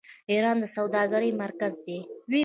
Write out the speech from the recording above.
ایران د سوداګرۍ مرکز دی.